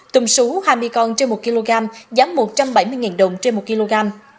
tùm xú hai mươi con trên một kg giá một trăm bảy mươi đồng trên một kg